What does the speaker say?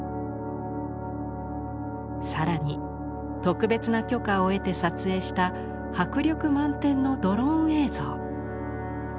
更に特別な許可を得て撮影した迫力満点のドローン映像。